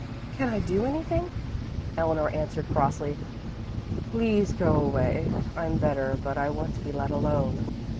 Can I do anything?" Eleanor answered crossly, "Please go away. I'm better, but I want to be let alone."